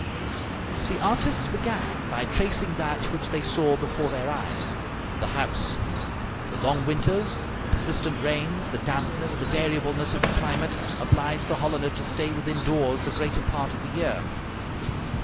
The artists began by tracing that which they saw before their eyes the house. The long winters, the persistent rains, the dampness, the variableness of the climate, obliged the Hollander to stay within doors the greater part of the year.